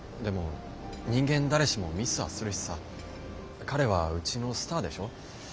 でも人間誰しもミスはするしさ彼はうちのスターでしょ。